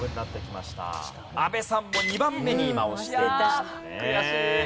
阿部さんも２番目に今押していましたね。